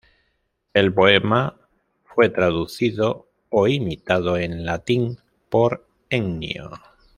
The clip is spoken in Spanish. El poema fue traducido o imitado en latín por Ennio.